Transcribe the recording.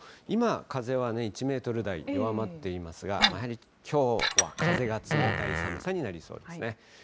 今、風は１メートル台、弱まっていますが、やはりきょうは風が冷たい寒さになりそうですね。